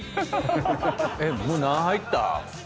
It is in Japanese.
もう何杯いった？